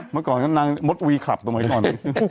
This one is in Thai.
เมื่อก่อนนางมดวีคลับตรงไหนก่อน